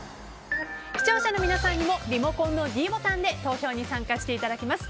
視聴者の皆さんにもリモコンのｄボタンで投票に参加していただきます。